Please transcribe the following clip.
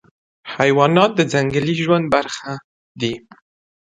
حیوانات د ځنګلي ژوند برخه دي.